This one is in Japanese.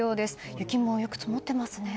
雪もよく積もっていますね。